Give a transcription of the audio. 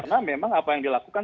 karena memang apa yang dilakukan